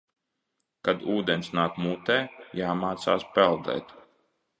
Kad ūdens nāk mutē, jāmācās peldēt.